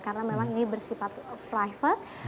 karena memang ini bersifat private